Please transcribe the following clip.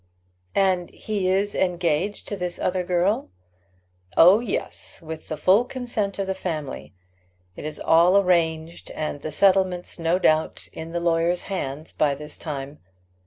"And he is engaged to this other girl?" "Oh, yes; with the full consent of the family. It is all arranged, and the settlements, no doubt, in the lawyer's hands by this time.